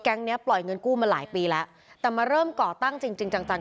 เนี้ยปล่อยเงินกู้มาหลายปีแล้วแต่มาเริ่มก่อตั้งจริงจริงจังจัง